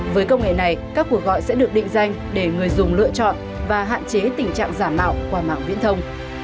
với công nghệ này các cuộc gọi sẽ được định danh để người dùng lựa chọn và hạn chế tình trạng giả mạo qua mạng viễn thông